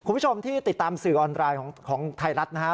คุณผู้ชมที่ติดตามสื่อออนไลน์ของไทยรัฐนะฮะ